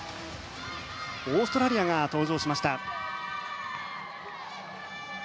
オーストラリアが登場しました。